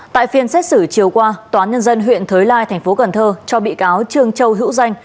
tại phiên xét xử chiều qua tòa nhân dân huyện thới lai thành phố cần thơ cho bị cáo trương châu hữu danh